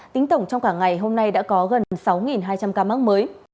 tính tổng trong cả ngày hôm nay đã có gần sáu hai trăm linh ca mắc mới